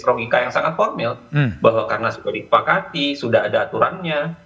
logika yang sangat formil bahwa karena sudah dipakati sudah ada aturannya